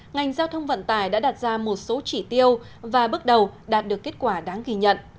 ngành giao thông vận tải đã đặt ra một số chỉ tiêu và bước đầu đạt được kết quả đáng ghi nhận